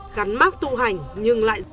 gắn mác tu hành nhưng lại